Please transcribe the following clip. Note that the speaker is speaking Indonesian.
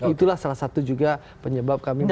itulah salah satu juga penyebab kami